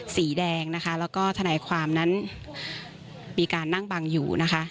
สีแดงนะคะแล้วก็ทนายความนั้นมีการนั่งบังอยู่นะคะ